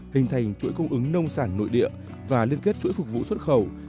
hình thành chuỗi cung ứng nông sản nội địa và liên kết chuỗi phục vụ xuất khẩu